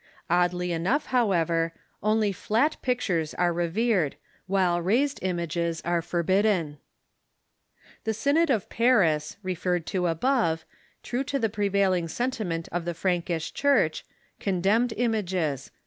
Oddly enough, however, only flat pictures are revered, while raised images are forbidden. The Synod of Paris, referred to above, true to the prevail ing sentiment of the Frankish Church, condemned images.